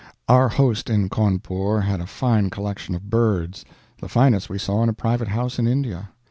Our host in Cawnpore had a fine collection of birds the finest we saw in a private house in India.